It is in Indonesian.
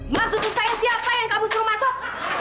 maksud saya siapa yang kamu suruh masuk